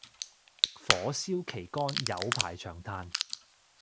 火燒旗杆有排長炭